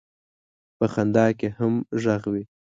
په خندا کې هم غږ وي.